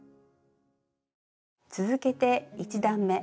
続けて１段め。